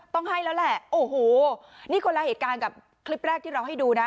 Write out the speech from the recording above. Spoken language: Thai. ต้องให้แล้วแหละโอ้โหนี่คนละเหตุการณ์กับคลิปแรกที่เราให้ดูนะ